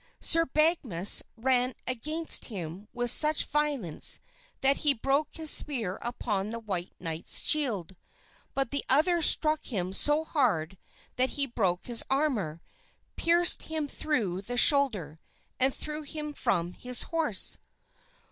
Sir Badgemagus ran against him with such violence that he broke his spear upon the white knight's shield; but the other struck him so hard that he broke his armor, pierced him through the shoulder and threw him from his horse.